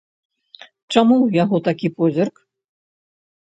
Чаму ў яго такі позірк?